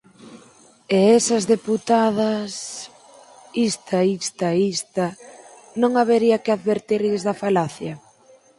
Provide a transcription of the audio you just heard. E esas deputadas... _ista, ista, ista_, ¿non habería que advertirlles da falacia?